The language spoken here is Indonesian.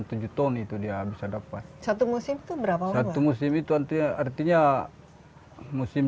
tujuh ton itu dia bisa dapat satu musim itu berapa satu musim itu artinya musim